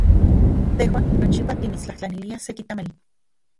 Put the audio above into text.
Tejuan nochipa timitstlajtlaniliaj seki tamali.